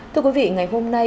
thưa quý vị ngày hôm nay